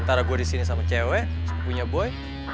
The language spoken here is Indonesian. ntar gue disini sama cewek sepupunya boy